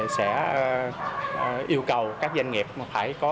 sẽ yêu cầu các doanh nghiệp phải có